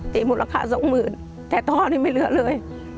มูลค่าสองหมื่นแต่ท่อนี้ไม่เหลือเลย